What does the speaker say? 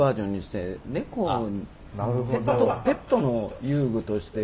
ペットの遊具として。